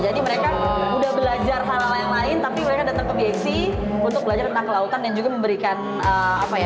jadi mereka udah belajar hal lain lain tapi mereka datang ke bxc untuk belajar tentang kelautan dan juga memberikan apa ya